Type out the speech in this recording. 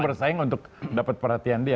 bersaing untuk dapat perhatian dia